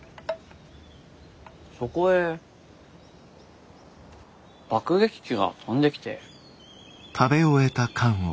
そこへ爆撃機が飛んできて。